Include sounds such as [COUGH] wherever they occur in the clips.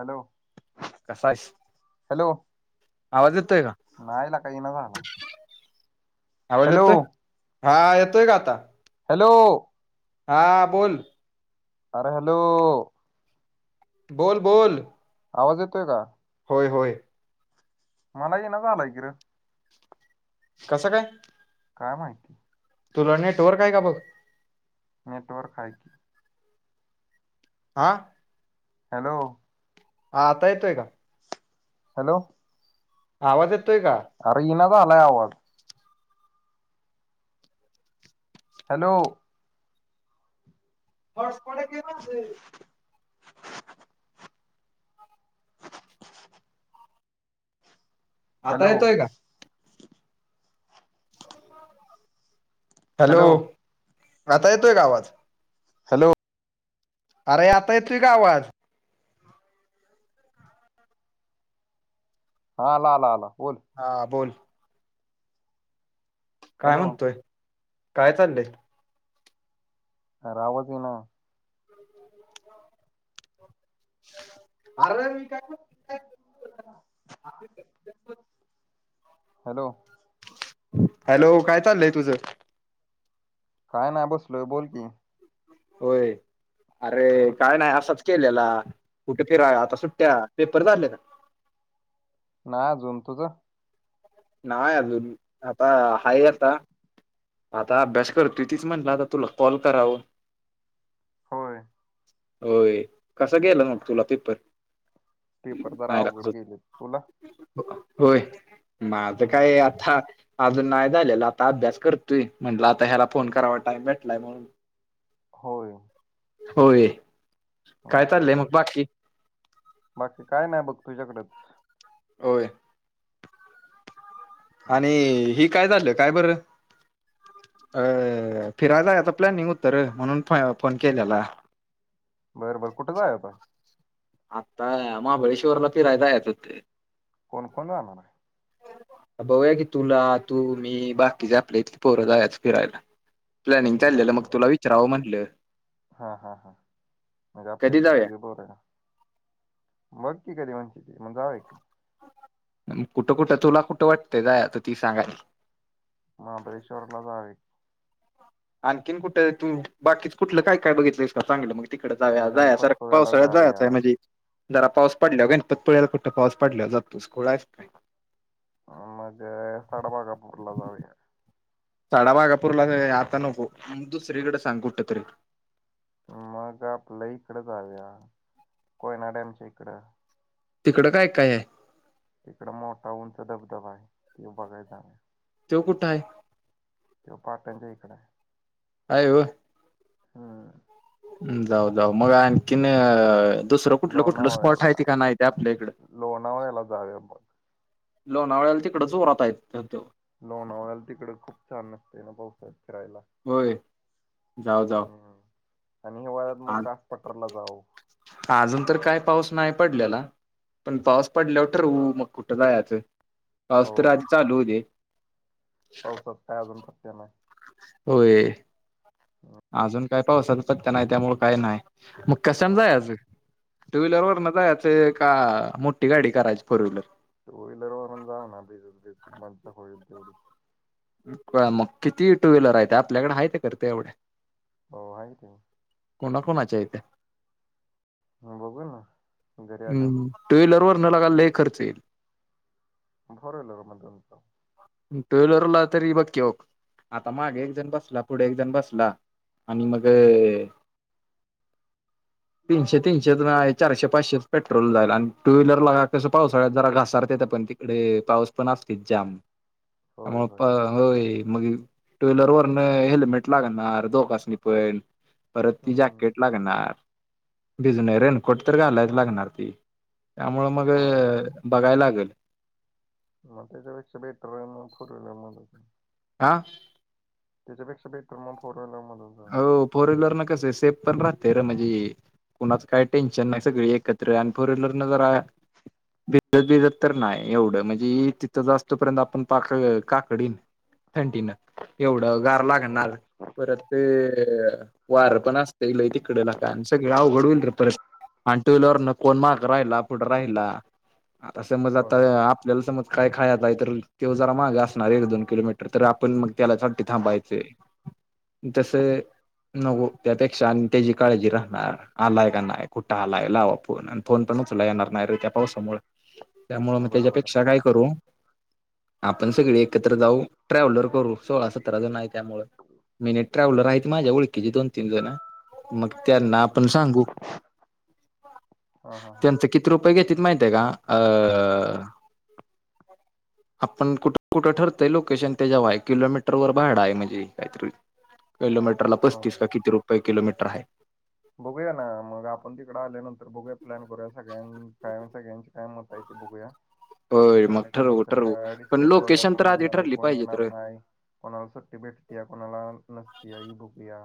Hello कसा हायस? नाही लेका इना झालाय. आवज येतोय, हा येतोय का आता? हॅलो हा बोल. अरे हॅलो बोल. बोल. आवाज येतोय का? होय. होय. मला ये ना झालाय कि र. कसं काय? काय माहिती? तुला नेटवर्क हाय का, बघ. नेटवर्क हाय की. आ हॅलो? हा आता येतोय का? हॅलो? आवाज येत आर ईना झालाय आवाज? हॅलो? हॉटस्पॉट येतय काय बघुया की आता हॅलो येतोय का? हॅलो, आता येतोय का आवाज? हॅलो अरे, आता येतोय का आवाज? हा आला आला. बोल हा बोल. काय हॅलो म्हणतोय? काय चाललंय? आर आवाज ईना? अ [UNINTELLIGIBLE] हॅलो. हॅलो, काय चाललंय तुझं? काय नाय बसलोय. बोल की होय. अरे काय नाही असाच केलेला कुठे फिराय आता सुट्ट्या पेपर झाले ना. [INAUDIBLE] नाही अजून तुझं? नाय अजून आता हाय एकदा आता अभ्यास करतूय तीच म्हटलं आता तुला कॉल करावं. होय. होय कस गेलं मग तुला पेपर? पेपर जरा नाहीला कस अवघड गेले. तुला? होय माझं हम्म काय आता अजून नाही झालेलं आता अभ्यास करतोय म्हंटलं आता ह्याला फोन करावा टाइम भेटलाय म्हणून. होय. होय. हां काय हां चाललंय हां मग बाकी बाकी काय नाही बघ तुझ्याकडेच होय. आणि हि काय झाल काय बर अ फिराय याचा प्लॅनिंग होत र म्हणून फोन केल्याला. बरं बर कुठं जायाचा? आता महाबळेश्वरला फिरायला जायचं होत. कोण-कोण जाणार आहे? बघुया की तुला तू, मी बाकीचे आपल्या इथली पोरं जायचं फिरायला. प्लॅनिंग चाललेलं मग बरं तुला विचारवं म्हटलं. हा हा हा म्हणजे कधी आपल्यातली जाऊया? सगळी बोलायला. बघ की कधी म्हणशील ते मग जाऊया की. कुठं कुठं तुला कुठं वाटतंय जायच तर ती सांगा आधी. महाबळेश्वरला जाऊया आणखीन कुठं तु बाकीचं कुठलं काय काय बघितलंस का चांगलं मग तिकड जाव्या की जायासारख गणपतपुळ्याला पावसाळ्यात जाऊया जायाचाय म्हणजे? जरा पाऊस पडल्यावर गणपती पुळ्याला कुठं पाऊस पडल्यावर जातोस खुळा आहेस काय. मग साडबागापूरला जाऊया. साडाबागापूरला आता नको दुसरीकडे सांग कुठ तरी. मग आपलं इकड जाऊया कोयना डॅमच्या इकडं. तिकडं काय काय आहे? तिकडं मोठा उंच धबधबा आहे. तो बघायचा आहे. त्यो कुठं आहे? तो पाटनच्या इकडें आहे. आय व हम्. जाऊ जाऊ मग आणखीन अ दुसरं कुठलं कुठलं स्पॉट आहे लोणावळ्याला ती की नाय ते आपल्या इकड? लोणावळ्याला जाऊया बघ लोणावळ्याला तिकडं जोरात आहेत ना त्यो. लोणावळ्याला तिकडं खूप छान असते, ना पाऊसाळ्यात फिरायला. होय जाऊ जाऊ. हम्म आणि हिवाळ्यात मग हा कास पटरला जाऊ पडल्याला पण पाऊस पडल्यावर ठरवू मग कुठं जायचं पाऊस तर आधी चालू होऊ दे पाऊसात काय अजून होय अजून काय पावसाचा पत्या नाही त्यामुळं काय नाही मग कशाने होय जायचं? टू व्हीलर वर नं जायचं का मोठी गाडी करायची फोर व्हीलर मणचा होईल तेवढंच मग किती टू व्हीलर आहे ते आपल्याकडे आहेत का रे तेवढ्या हो आहेत की कोणा कोणाच्या आहेत बघू ना घरी आल्यावर त्याला लगा लय खर्च येईल मग फोर व्हिलर मध्ये जाऊ टू व्हिलरला तरी बघकी, आता मागे एक जण बसला पुढे एकजण बसला आणि मग तीनशे तीनशे चारशे पाचशेचं पेट्रोल जाईल आणि टू व्हीलरला कसं पावसाळ्यात जरा घसरत्यात पण तिकडे पाऊस पण जाम होय होय त्यामुळे होय टूव्हिलीवर वरण हेल्मेट लागणार दोगासनी पण परत ती हम्म जॅकेट लागणार, भिज नाही रेनकोट तर घालायच लागणार की त्यामुळं मग होय बघायला लागेल मग त्याच्यापेक्षा बेटर, म फोर व्हीलर मध्येच हा. त्याच्यापेक्षा बेटर मग फोर व्हीलर मधून जाऊया हो फोर व्हीलर न कसं सेप पण राह ते र म्हणजे कुणाचं काय टेन्शन नाही सगळी एकत्र आणि फोर व्हीलर न जरा भिजत भिजत तर नाही एवढं म्हणजे तिथं जासतोपर्यंत आपण पाक काकडीन थंडीनं एवढं गार होय लागणार, परत ते वारं पण असतंय लय तिकडे लगा का आणि सगळं अवघड होईल र परत आणि टूव्हिलवरनं कोण मागं राहिला पुढे राहिला आता समज आता होय आपल्याला समज काय खायालाय तर तो जरा मागं असणार एक दोन किलोमीटर तर आपण मग त्याला थांबायचे तसं नको त्यापेक्षा आणि त्याची काळजी राहणार आलाय का नाही कुठं आलाय लावा फोन फोन पण येणार नाही रं, त्या पावसामुळे त्यामुळे मग बरोबर आहे त्याच्यापेक्षा काय बरोबर करू आपण सगळी एकत्र जाऊ ट्रॅव्हलर करू सोळा सतरा जण आहे त्यामुळं ट्रॅव्हलर आहेत माझ्या ओळखीचे दोन तीन जण मग त्यांना आपण सांगू हा हा हा त्यांचं किती रुपये घेत माहित आहे का अ आपण कुठं कुठं ठरतय लोकेशन तेच्यावर हाय, किलोमीटर वर भाडं आहे म्हणजे काहीतरी किलोमीटर ला पस्तीस होय का किती रुपये किलोमीटर आहे बघूया ना मग आपण तिकडं आल्यानंतर बघूया [UNINTELLIGIBLE] होय मग ठरवू त्याच्यानंतर ठरवू मग पण डिस्कस करूया लोकेशन तर कोण आधी येणार आहे ठरली कोण पाहिजेत येणार रं नाही कोणाला सुट्टी भेटत्या कोणाला नसत्या इ बघूया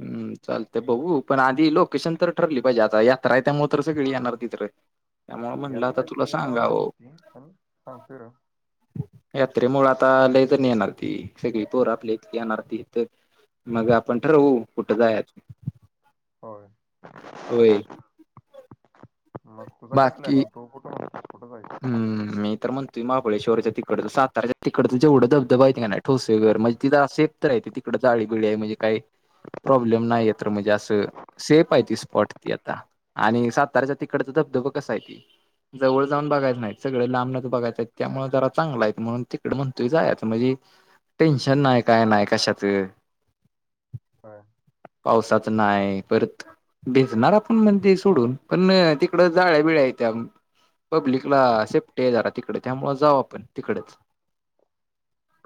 हम्म, चालतंय बघू पण आधी लोकेशन तर ठरली पाहिजे, आता यात्रा आहे त्यामुळे तर सगळी येणार मित्र यात्रा त्याच्यामुळे झालंच की पण सांगतोय र यात्रेमुळे आता लय जण येणार ती सगळी पोरं आपल्या इथली येणार ती तर मग आपण ठरवू कुठं जायचं होय होय. मग तुझं काय प्लान बाकी होतो कुठून हम्म, मी तर म्हणतोय महाबळेश्वरच्या तिकडच साताऱ्याच्या तिकडच जेवढं धबधबा आहे ती का नाय ठोसे वर म्हणजे तिं सेप तर आहेे तिकडे जाळी बिळी आहे म्हणजे काय प्रॉब्लेम नाहीये तर म्हणजे आसं सेफ आहे ती स्पॉट ती आता आणि साताऱ्याच्या तिकडच त धबधबा कसा आहे ती जवळ जाऊन बघायच नाहीत सगळं लांबनच बघायच आहेत त्यामुळं जरा चांगला आहेत म्हणून तिकडं म्हणतोय जायाच म्हणजे टेन्शन नाय काय नाय कशाच होय पावसात नाय परत भिजणार आपण म्हण ते सोडून पण अ तिकड जाळ्या बिळ्या आहेत्या पब्लिकला सेप्टी आहे जरा तिकडं त्यामुळे जाऊ आपण तिकडच.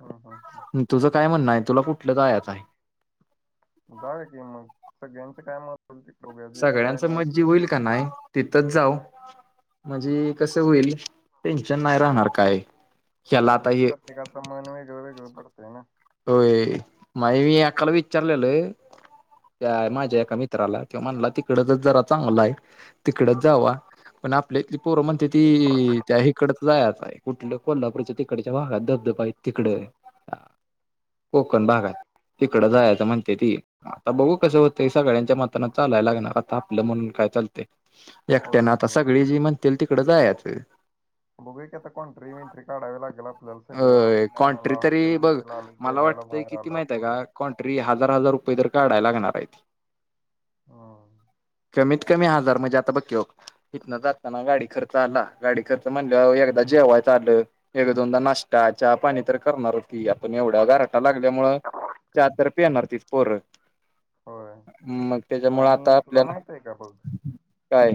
हम्म हम्म तुझं काय म्हणणं आहे तुला कुठलं जायाच आहे? जावया की मग सगळ्यांच काय मत होईल ते बघूया जे काय सगळ्यांच मत जी होईल का नाय नवीन तिथंच जाऊ. म्हणजे कस होईल टेन्शन नाय राहणार काय. ह्याला म्हणजे आता हे प्रत्येकाचं मन वेगळं वेगळं पडतंय ना. होय माये मी अकाला विचारलेलं त्या माझ्या एका मित्राला ते म्हणला तिकडचच जरा चांगला आहे. तिकडच जावा. पण आपल्या इतली पोरं म्हणते ती त्या इकड जायाचय आय कुठलं कोल्हापूरच्या तिकडच्या भागात धबधबा हाई तिकड. कोकण होय भागात तिकडं जायचं म्हणत्याती. आता बघू कसं होतय सगळ्यांच्या मतानं चालायला लागणार आता आपलं म्हणून काय चालतय. होय एकट्यान होय आता बरोबर सगळी जी म्हणतील तिकडें जायाचं. बघूया की आता कॉन्ट्री विंट्री काढायला लागेल आप अ कॉन्ट्री तरी बघ आलं मला जेवायला वाटतंय बाहेर किती आलो माहिते आपण का कॉन्ट्री हजार हजार रु पदर काढायला लागणार आहे हम. कमीत कमी हजार म्हणजे आता बघ इथनं जातना गाडी खर्च आला गाडी खर्च म्हणल्याव एकदाचे जेवाय ताट एक दोनदा ना ष्टा च्या पाणी तर करणारच की आपण एवढ्या गारटा लागल्यामुळं च्या तर पेणार तीस पोर. होय मग त्याच्या मूळं आणि आता तुला आपल्याला, माहित आहे का बघ काय?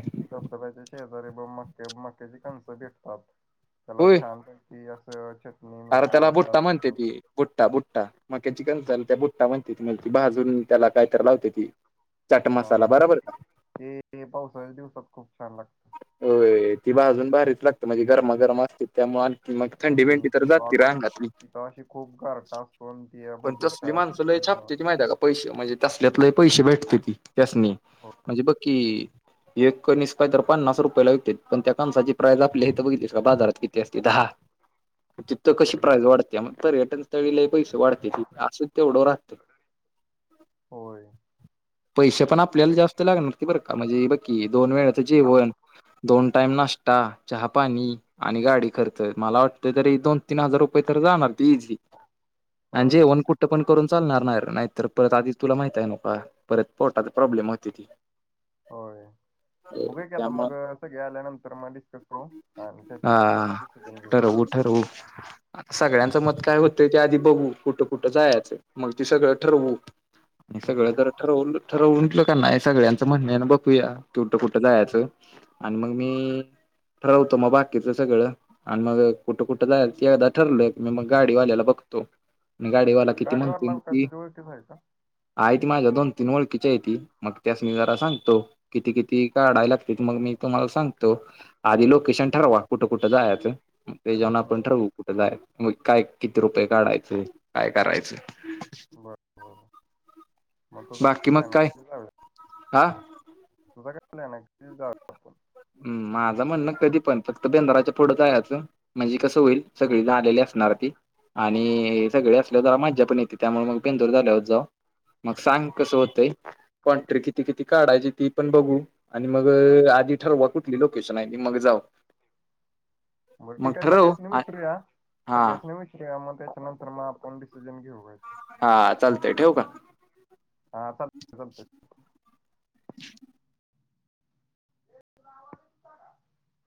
बर ब मक्या मक्याची कणस दिसतात. त्याला छान पैकी आसं छ अरं त्याला बुट्टा म्हणत्याती बुट्टा बुट्टा मक्याची कणस त्या बुट्टा म्हणते त म्हन भाजून त्याला कायतरी लावते ती चाट हां मसाला हां ते बरोबर का ते पावसाळ्या दिवसात खूप छान लागत. होय, ती भाजून भारीच लाग म्हणजे गरमा गरम असतेत त्यामुळं आणखी मग थंडी भेंडी आणि तर तिथं जाते र अशी अंगातली. तिथं अशी खूप गारटा असतो आणि पण त्यामध्ये तसली चहा माणसं लय पिणं छापतेती माहिते का पैसे. म्हणजे तसल्यात लै पैशे भेटतेती त्यासनी हो म्हणजे बक की एक कणीस काहीतर पन्नास रुपयाला विकतेत पण त्या कंसाची प्राईस आपली तर बघितस का बाजारात किती असतेती दाहा. तिथं कशी तर मग प्राईज वाढत्या मग पर्यटन स्थळी लई पैशे वाढते की असूद तेवढं राहते. होय पैसे पण आपल्याला जास्त लागणार की बरं का म्हणजे बकी दोन वेळच जेवण दोन टाम नाशता चहा पाणी आणि गाडी खर्च मला वाटत तरी दोन तीन हजार रुपये तर जाणार. तझी होय आणिजेऊन कुठं पण करून चालणार. नाही तर परत आधी तुला माहित आहे न का परत पोर्टात प्रॉब्लेम होते ती. हो. बघा की आता त्यामुळं मग सगळे आल्यानंतर मग डिस्कस करू आणि त्याच्यानंतर मग डिसिजन घेऊ. हो. सगळ्यांचं मत काय होतंय ते आधी बघू कुठं कुठं जायचं मग ती सगळं ठरवू. आणि सगळं हम्म जर ठरव ठरव उटलं का नाही सगळ्यांचं म्हणणे बघूया तू कुठं जायचं आणि मग मी ठरवतो मग बाकीच सगळं आणि मग कुठं कुठं जायचं ती एकदा ठरलं मी मग गाडीवाल्याला बघो. घतो. आणि गाडीवाला किती गाडीवर म्हणतुय लाव काय ती तुझ्या ओळखीच आहे का? हायती माझ्या दोन तीन ओळखीची हायती. मग त्यास मी जरा सांगतो किती किती? ती काढायला लागतीत मग मी तुम्हाला सांगतो आधी लोकेशन ठरवा कुठंकुठं जायचं. तेज्यावन हा आपण ठरवू कुठे जाय मग काय किती रुपये काढायचे काय करायचं. बर बर. [UNINTELLIGIBLE] मग तुझा बाकी मग प्लॅन आहे काय कधी जाऊया हा. [UNINTELLIGIBLE] म माझं म्हणणं कधी पण फक्त बेंदाराच्या फुढ जायचं म्हणजे कसं होईल सगळी झालेली अस. असणार ती आणि हे सगळी असल्याव जरा मज्जा पण येते त्यामुळे मग बेंदूर झाल्याव जाऊ. मग सांग कसं होतंय कोंटरी किती किती काढायची ती पण बघू आणि मग आधी ठरवा कुठली लोकेशन आहे मग जाऊ. मग ठीक आहे ठरव सगळसनी आ- विचरूया हा सगळ्यास विचरूया मग त्याच्यानंतर मग आपण डिसिजन घेऊ. हा चालतंय ठेव का? हा चालत चालत. [UNINTELLIGIBLE]